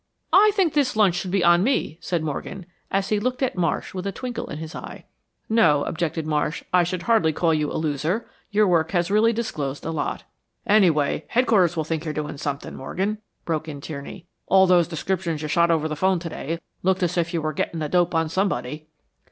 "I think this lunch should be on me," said Morgan, as he looked at Marsh with a twinkle in his eye. "No," objected Marsh, "I should hardly call you a loser. Your work has really disclosed a lot." "Anyway, Headquarters will think you're doing something, Morgan," broke in Tierney. "All those descriptions you shot over the 'phone today looked as if you were getting the dope on somebody."